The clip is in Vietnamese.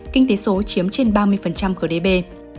kinh tế số chiếm trên ba mươi khởi đế bê